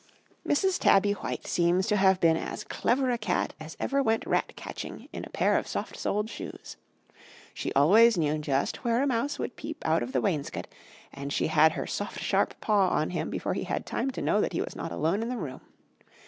"Mrs. Tabby White seems to have been as clever a cat as ever went rat catching in a pair of soft soled shoes. She always knew just where a mouse would peep out of the wainscot, and she had her soft sharp paw on him before he had time to know that he was not alone in the room.